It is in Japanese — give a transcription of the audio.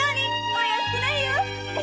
お安くないよ！